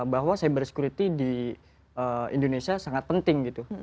bahwa cyber security di indonesia sangat penting gitu